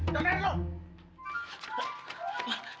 jangan jangan jangan